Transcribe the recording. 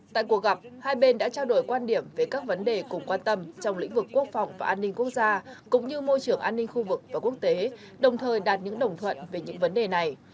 tại cuộc gặp hai bên đã trao đổi quan điểm về các vấn đề cùng quan tâm trong lĩnh vực quốc phòng và an ninh quốc gia cũng như môi trường an ninh khu vực và quốc tế đồng thời đạt những đồng thuận về những vấn đề này